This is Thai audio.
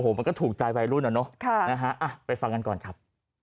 โอ้โหมันก็ถูกใจไปรุ่นอ่ะเนอะค่ะนะฮะอ่ะไปฟังกันก่อนครับ